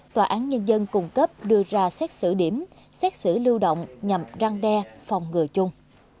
tòa án nhân dân cung cấp đưa ra xét xử điểm xét xử lưu động nhằm răng đe phòng ngừa chung